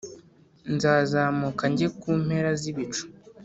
Nzazamuka njye ku mpera z’ibicu,